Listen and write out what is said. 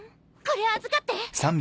これ預かって！